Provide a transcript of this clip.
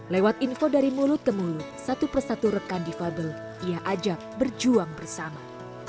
lewat info dari mulut ke mulut satu persatu rekan difabel ia ajak berjuang bersama